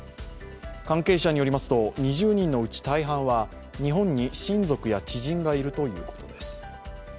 関係者によりますと２０人のうち大半は日本に親族や知人がいるということです。